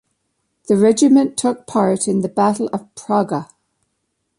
The regiment took part in the battle of Praga.